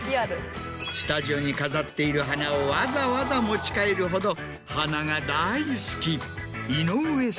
スタジオに飾っている花をわざわざ持ち帰るほど花が大好き。